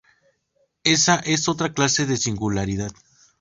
Esa es otra clase de singularidad.